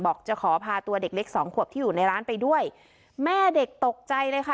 จะขอพาตัวเด็กเล็กสองขวบที่อยู่ในร้านไปด้วยแม่เด็กตกใจเลยค่ะ